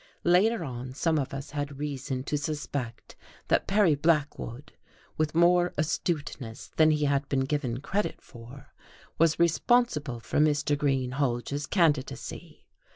Later on some of us had reason to suspect that Perry Blackwood with more astuteness than he had been given credit for was responsible for Mr. Greenhalge's candidacy.